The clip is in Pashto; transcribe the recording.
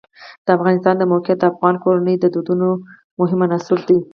د افغانستان د موقعیت د افغان کورنیو د دودونو مهم عنصر دی.